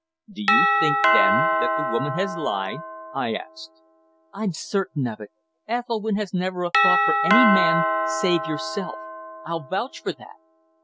"Do you think, then, that the woman has lied?" I asked. "I'm certain of it. Ethelwynn has never a thought for any man save yourself. I'll vouch for that."